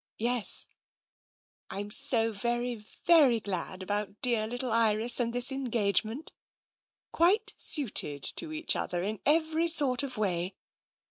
" Yes.'' " Tm so very, very glad about dear little Iris and this engagement. Quite suited to each other in every sort of way.